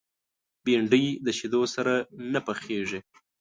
بېنډۍ د شیدو سره نه پخېږي